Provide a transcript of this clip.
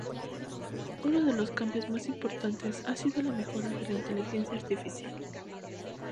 Uno de los cambios más importantes ha sido la mejora de la Inteligencia Artificial.